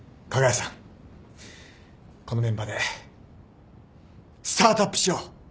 このメンバーでスタートアップしよう。